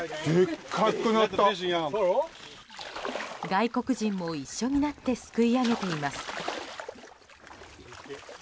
外国人も一緒になってすくい上げています。